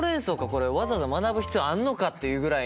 これわざわざ学ぶ必要あんのか？」っていうぐらいの。